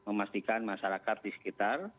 memastikan masyarakat di sekitar